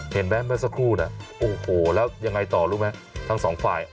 เห็นไหมเมื่อสักครู่นะโอ้โหแล้วยังไงต่อรู้ไหมทั้งสองฝ่าย